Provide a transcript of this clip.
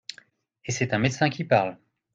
Et c’est un médecin qui parle !